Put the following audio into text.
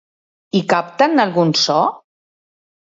I capten algun so?